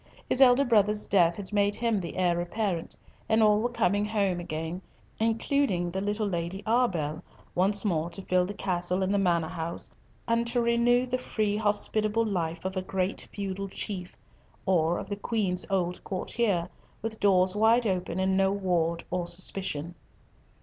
His elder brother's death had made him the heir apparent, and all were coming home again, including the little Lady Arbell, once more to fill the Castle and the Manor house, and to renew the free hospitable life of a great feudal chief, or of the Queen's old courtier, with doors wide open, and no ward or suspicion.